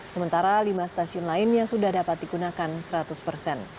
sementara lima stasiun lainnya sudah dapat digunakan seratus persen